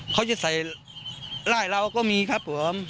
เขาจะใส่ไล่เราก็มีครับผม